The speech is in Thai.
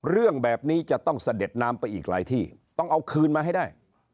เรื่องแบบนี้จะต้องเสด็จน้ำไปอีกหลายที่ต้องเอาคืนมาให้ได้